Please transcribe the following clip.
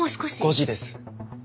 ５時です。